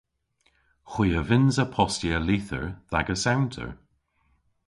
Hwi a vynnsa postya lyther dh'agas ewnter.